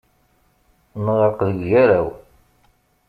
Neɣreq deg ugaraw.